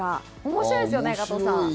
面白いですね、加藤さん。